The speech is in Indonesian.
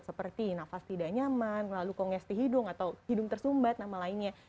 seperti nafas tidak nyaman lalu konges di hidung atau hidung tersumbat nama lainnya